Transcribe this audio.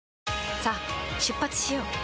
さあ出発しよう。